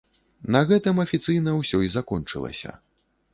На гэтым афіцыйна ўсё і закончылася.